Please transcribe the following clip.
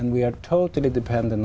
một quốc gia khá lớn